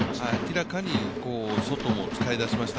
明らかに外も使いだしました。